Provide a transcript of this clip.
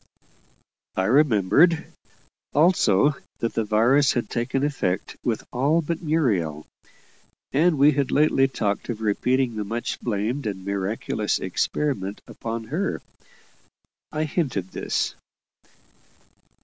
I remembered. Also that the virus had taken effect with all but Muriel; and we had lately talked of repeating the much blamed and miraculous experiment upon her. I hinted this.